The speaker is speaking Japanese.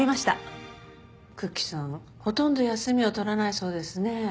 ほとんど休みを取らないそうですね。